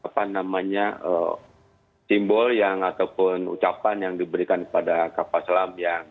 lanjutan penyebabnya dan berkelanjutan dengan gere heritage sc teleportation